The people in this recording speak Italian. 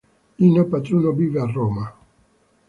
Lino Patruno vive a Roma.